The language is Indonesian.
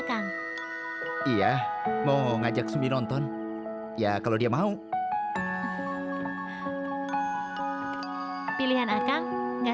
sampai jumpa di video selanjutnya